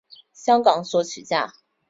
香港作曲家。